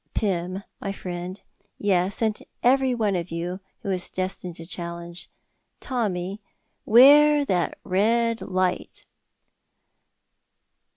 Pym, my friend, yes, and everyone of you who is destined to challenge Tommy, 'ware that red light!